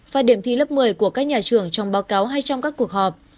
và điểm thi lớp một mươi của các nhà trường trong báo cáo hay trong các cuộc họp